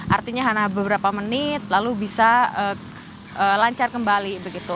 artinya hanya beberapa menit lalu bisa lancar kembali begitu